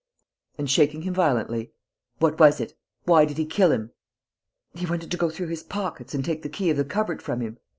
And, shaking him violently, "What was it? Why did he kill him?" "He wanted to go through his pockets and take the key of the cupboard from him.